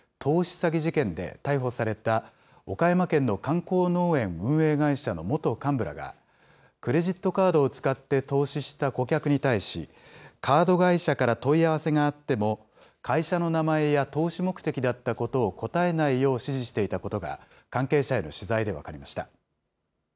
詐欺事件で逮捕された、岡山県の観光農園運営会社の元幹部らが、クレジットカードを使って投資した顧客に対し、カード会社から問い合わせがあっても、会社の名前や投資目的だったことを答えないように指示していたことが、関係者への取材で分かりました。